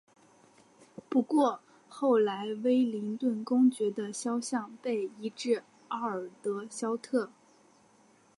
不过后来威灵顿公爵的雕像被移至奥尔德肖特。